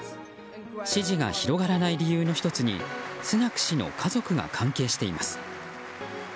支持が広がらない理由の１つにスナク氏の家族が関係しています。